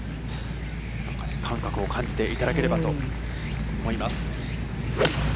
感覚を感じていただければと思います。